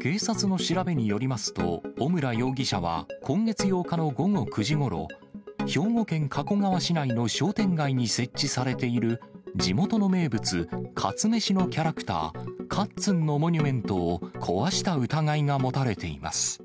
警察の調べによりますと、小村容疑者は今月８日の午後９時ごろ、兵庫県加古川市内の商店街に設置されている地元の名物、かつめしのキャラクター、かっつんのモニュメントを壊した疑いが持たれています。